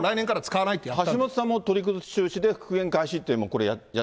橋下さんも取り崩し中止で復元開始って、これやっ